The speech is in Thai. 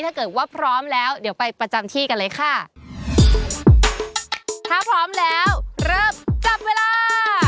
ถ้าเกิดว่าพร้อมแล้วเดี๋ยวไปประจำที่กันเลยค่ะถ้าพร้อมแล้วเริ่มจับเวลา